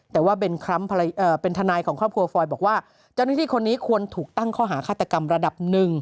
แต่ว่าเป็นทนายของครอบครัวฟอยบอกว่าเจ้าหน้าที่คนนี้ควรถูกตั้งข้อหาฆาตกรรมระดับหนึ่ง